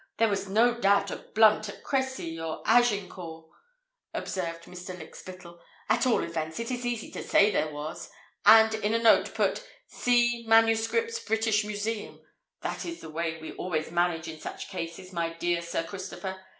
There was no doubt a Blunt at Crecy or Agincourt," observed Mr. Lykspittal. "At all events it is easy to say there was, and in a note put 'See M.S.S., British Museum.' That is the way we always manage in such cases, my dear Sir Christopher.